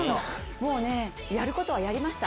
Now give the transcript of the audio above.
もうやることはやりました。